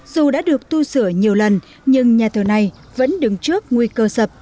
dù đã được tu sửa nhiều lần nhưng nhà thờ này vẫn đứng trước nguy cơ sập